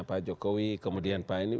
pak jokowi kemudian pak ini